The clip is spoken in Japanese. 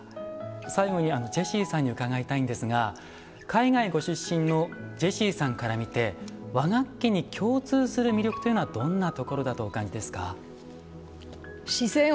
最後にジェシーさんに伺いたいんですが海外ご出身のジェシーさんから見て和楽器に共通する魅力というのはどんなところだとお感じですか？